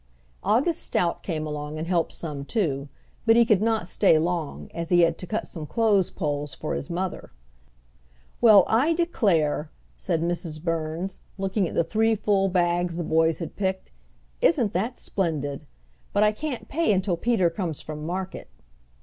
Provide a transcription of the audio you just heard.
August Stout came along and helped some too, but he could not stay long, as he had to cut some clothes poles for his mother. "Well, I declare!" said Mrs. Burns, looking at the three full bags the boys had picked. "Isn't that splendid! But I can't pay until Peter comes from market."